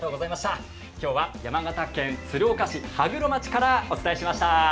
今日は山形県鶴岡市羽黒町からお伝えしました。